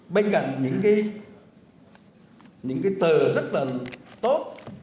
bên cạnh những cái tờ rất là tốt